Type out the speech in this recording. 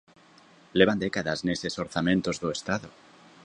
Levan décadas neses orzamentos do Estado.